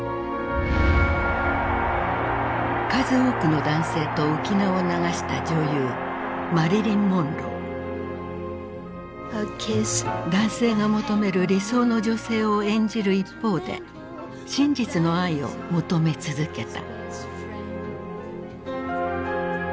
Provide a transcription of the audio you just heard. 数多くの男性と浮き名を流した女優男性が求める理想の女性を演じる一方で真実の愛を求め続けた。